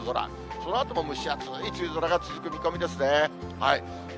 そのあとも蒸し暑い梅雨空が続く見込みですね。